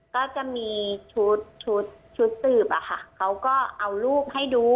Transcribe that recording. ก็จะมีชุดตืบอะค่ะเขาก็เอารูปให้ดู